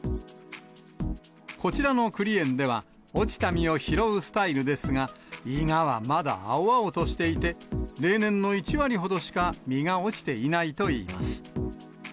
こちらのくり園では、落ちた実を拾うスタイルですが、イガはまだ青々としていて、例年の１割ほどしか実が落ちていないといいます。